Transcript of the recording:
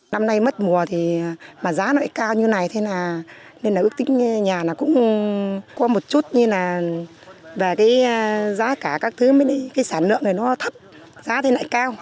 năm nay mất mùa thì mà giá nó lại cao như này thế là nên là ước tính nhà nó cũng có một chút như là về cái giá cả các thứ cái sản lượng này nó thấp giá thế lại cao